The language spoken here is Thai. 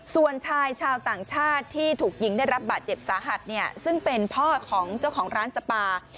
ส่วนชายชาวต่างชาติที่ถูกยิงได้รับบาดเจ็บสาหัสเนี่ยซึ่งเป็นพ่อของเจ้าของร้านสปา